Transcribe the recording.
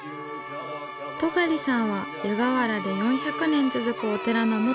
尖さんは湯河原で４００年続くお寺の元住職。